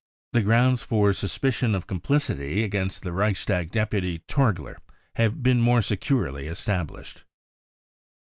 The grounds for suspicion of complicity against | the Reichstag deputy Torgier have been more securely ;!^ established.